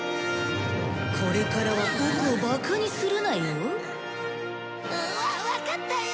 これからはボクをバカにするなよ？わわかったよ！